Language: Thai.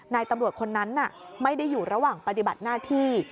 นายตำรวจคนนั้นไม่ได้อยู่ระหว่างปฏิบัติหน้าที่